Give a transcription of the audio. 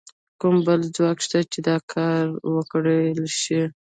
کوم بل ځواک شته چې دا کار وکړای شي؟